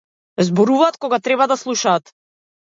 Зборуваат кога треба да слушаат.